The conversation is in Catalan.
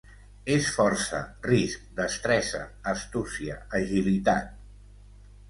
És força, risc, destresa, astúcia, agilitat.